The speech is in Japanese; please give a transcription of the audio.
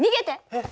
えっ。